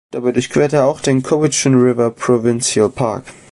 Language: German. Dabei durchquert er auch dem Cowichan River Provincial Park.